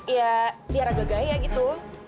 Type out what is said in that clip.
ya biar agak gaya gitu